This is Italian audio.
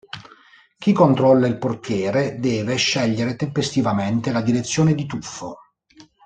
Chi controlla il portiere deve scegliere tempestivamente la direzione di tuffo.